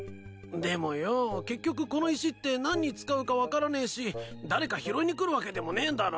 でもよ結局この石って何に使うか分からねえし誰か拾いに来るわけでもねえんだろ？